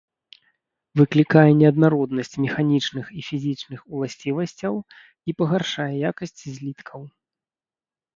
Выклікае неаднароднасць механічных і фізічных уласцівасцяў і пагаршае якасць зліткаў.